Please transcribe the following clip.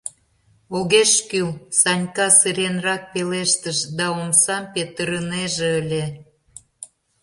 — Огеш кӱл, — Санька сыренрак пелештыш да омсам петырынеже ыле.